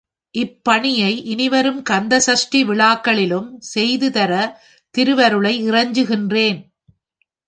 இப்பணியை இனிவரும் கந்த சஷ்டி விழாக்களிலும் செய்து தர திருவருளை இறைஞ்சுகின்றேன்.